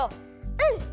うん！